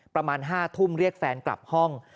ประมาณ๕ทุ่มเรียกแฟนกลับห้อง